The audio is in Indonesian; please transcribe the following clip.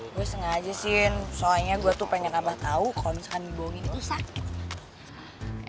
gue sengaja sin soalnya gue tuh pengen abah tau kalo misalkan dibohongin itu sakit